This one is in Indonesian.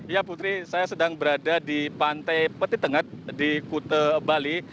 ya putri saya sedang berada di pantai peti tengah di kute bali